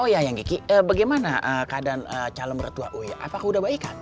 oh ya ayang kiki bagaimana keadaan calon mertua uya apakah udah baik